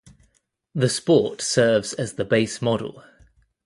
The Sport serves as the base model.